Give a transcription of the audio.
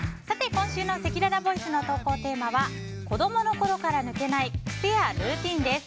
今週のせきららボイスの投稿テーマは子供の頃から抜けない癖やルーティンです。